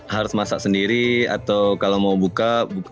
harus masak sendiri atau kalau mau buka